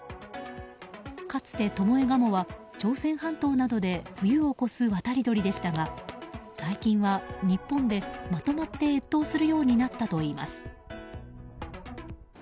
かつてトモエガモは朝鮮半島などで冬を越す渡り鳥でしたが最近は日本でまとまって越冬するようになったといいます。